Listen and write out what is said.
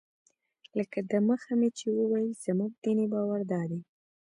لکه دمخه مې چې وویل زموږ دیني باور دادی.